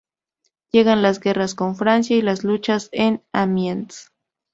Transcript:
Llegan las Guerras con Francia y las luchas en Amiens.